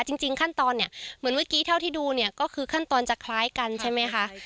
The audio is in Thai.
จริงขั้นตอนเนี่ยเหมือนเมื่อกี้เท่าที่ดูเนี่ยก็คือขั้นตอนจะคล้ายกันใช่ไหมคะ